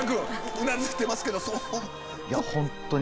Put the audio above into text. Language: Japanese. うなずいてますけど。